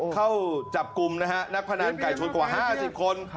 เข้าจับกลุ่มนะฮะนักพนันไก่ชนกว่า๕๐คน